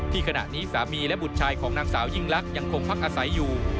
ขณะนี้สามีและบุตรชายของนางสาวยิ่งลักษณ์ยังคงพักอาศัยอยู่